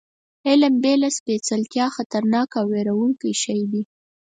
علم بې له سپېڅلتیا خطرناک او وېروونکی شی دی.